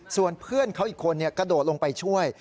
ส่วนเพื่อนเขาอีกคนกระโดดลงไปช่วย